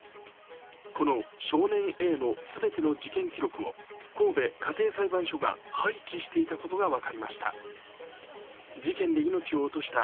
この少年Ａの全ての事件記録を神戸家庭裁判所が廃棄していたことが分かりました。